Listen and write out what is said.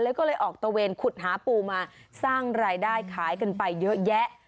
แล้วก็เลยออกตะเวนขุดหาปูมาสร้างรายได้ขายกันไปเยอะแยะ